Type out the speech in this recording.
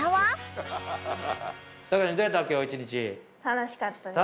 楽しかった？